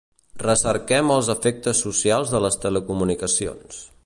Recerquem els efectes socials de les telecomunicacions.